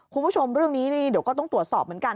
คุณผู้ชมเรื่องนี้เดี๋ยวก็ต้องตรวจสอบเหมือนกัน